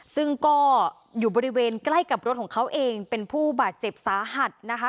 ซึ่งก็อยู่บริเวณใกล้กับรถของเขาเองเป็นผู้บาดเจ็บสาหัสนะคะ